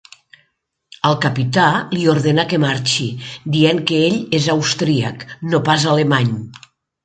El Capità li ordena que marxi, dient que ell és austríac, no pas alemany.